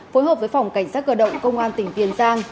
phối hợp với phòng cảnh sát cơ động công an tỉnh tiền giang